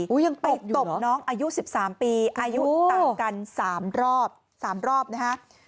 อุ๊ยยังตบอยู่เหรออายุ๑๓ปีอายุต่างกัน๓รอบ๓รอบนะฮะ